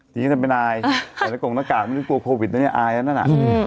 ทีนี้ทำเป็นอายแต่ในกรงตระกาศไม่ได้กลัวโฟวิตเนี่ยอายอ่ะนั่นนะ